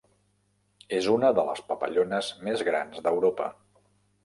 És una de les papallones més grans d'Europa.